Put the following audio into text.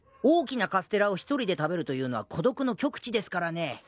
大きなカステラを１人で食べるというのは孤独の極地ですからね。